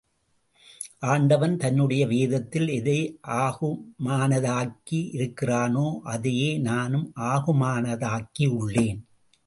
ஆண்டவன் தன்னுடைய வேதத்தில் எதை ஆகுமானதாக்கி இருக்கின்றானோ, அதையே நானும் ஆகுமானதாக்கியுள்ளேன்.